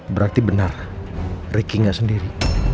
berarti benar ricky nya sendiri